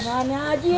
nih ada ada aja ya